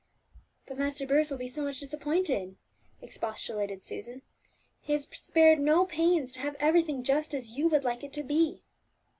"But Master Bruce will be so much disappointed," expostulated Susan. "He has spared no pains to have everything just as you would like it to be."